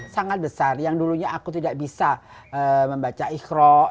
sangat besar yang dulunya aku tidak bisa membaca ikhro